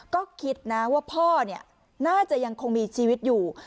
ก็คิดนะว่าพ่อน่าจะยังคงมีชีวิตอยู่